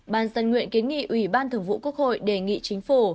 ban dân nguyện kiến nghị ủy ban thường vụ quốc hội đề nghị chính phủ